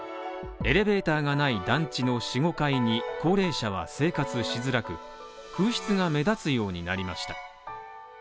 エレベーターがない団地の４５階に、高齢者は生活しづらく、空室が目立つようになりました。